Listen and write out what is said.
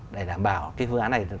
để đảm bảo cái phương án này